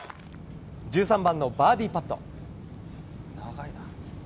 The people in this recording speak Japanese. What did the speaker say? １３番のバーディーパット。